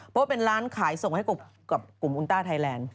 เพราะเป็นร้านขายส่งให้กับกลุ่มอุนต้าไทยแลนด์